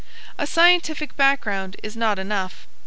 A scientific background is not enough.